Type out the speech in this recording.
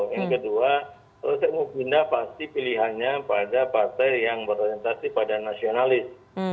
yang kedua kalau saya mau pindah pasti pilihannya pada partai yang berorientasi pada nasionalis